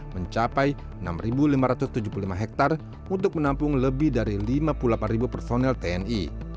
mencapai enam lima ratus tujuh puluh lima hektare untuk menampung lebih dari lima puluh delapan personel tni